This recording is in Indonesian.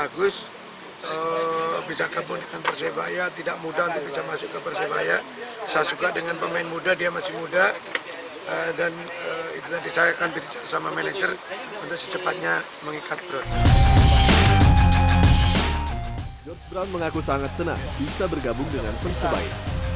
george brown mengaku sangat senang bisa bergabung dengan persebaya